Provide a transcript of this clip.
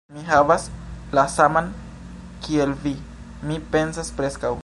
Mi havas la saman kiel vi, mi pensas preskaŭ...